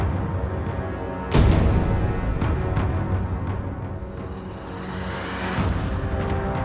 jadi aku bisa makan makanan di rumah